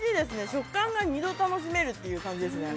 食感が２度楽しめるっていう感じですね